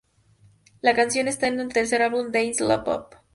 La canción está en su tercer álbum "Dance Love Pop".